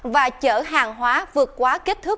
và chở hàng hóa vượt quá kích thước